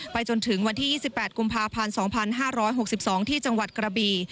จนถึงวันที่๒๘กุมภาพันธ์๒๕๖๒ที่จังหวัดกระบี